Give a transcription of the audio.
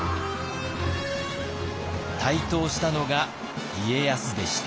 台頭したのが家康でした。